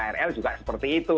misalnya di krl juga seperti itu